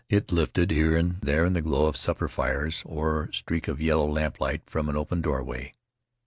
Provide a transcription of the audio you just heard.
It lifted here and there in the glow of supper fires, or a streak of yellow lamplight from an open doorway.